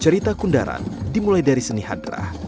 cerita kundaran dimulai dari seni hadrah